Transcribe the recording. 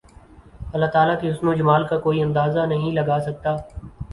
اللہ تعالی کے حسن و جمال کا کوئی اندازہ نہیں لگا سکت